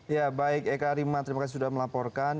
ya baik eka arima terima kasih sudah melaporkan